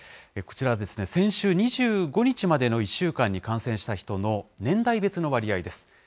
こちらは先週２５日までの１週間に感染した人の、年代別の割合です。